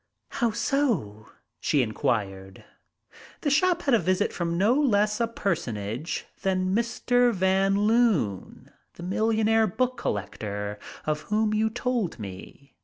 "How so?" she inquired. "The shop had a visit from no less a personage than Mr. Van Loon, the millionaire book collector, of whom you told me.